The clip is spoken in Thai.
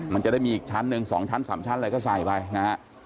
มันจะได้มีอีกชั้นหนึ่ง๒ชั้น๓ชั้นอะไรก็ใส่ไปนะฮะ